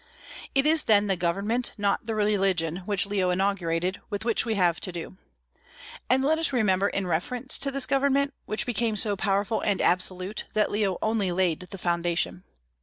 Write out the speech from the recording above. It is then the government, not the religion, which Leo inaugurated, with which we have to do. And let us remember in reference to this government, which became so powerful and absolute, that Leo only laid the foundation.